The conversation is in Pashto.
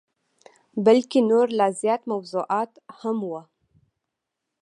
بلکه نور لا زیات موضوعات هم وه.